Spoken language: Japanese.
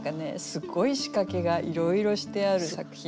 すごい仕掛けがいろいろしてある作品なんですよね。